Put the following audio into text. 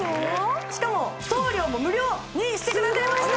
しかも送料も無料にしてくださいました